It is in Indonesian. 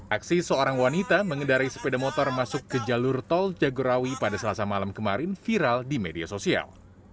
aksi seorang wanita mengendari sepeda motor masuk ke jalur tol jagorawi pada selasa malam kemarin viral di media sosial